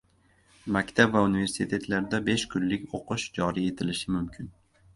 Maktab va universitetlarda besh kunlik o‘qish joriy etilishi mumkin